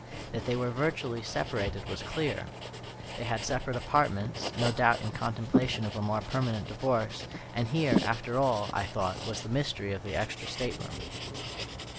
That they were virtually separated was clear. They had separate apartments, no doubt in contemplation of a more permanent divorce; and here, after all, I thought, was the mystery of the extra stateroom.